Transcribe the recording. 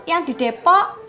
yang di depok